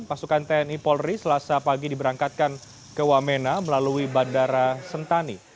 pasukan tni polri selasa pagi diberangkatkan ke wamena melalui bandara sentani